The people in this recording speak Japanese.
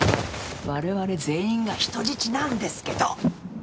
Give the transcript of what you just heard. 我々全員が人質なんですけど！